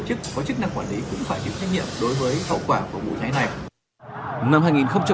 có chức năng quản lý cũng phải chịu trách nhiệm